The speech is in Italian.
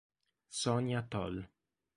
Sonja Tol